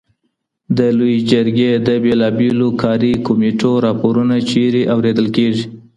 د لويي جرګې د بېلابېلو کاري کمېټو راپورونه چېرته اورېدل کېږي؟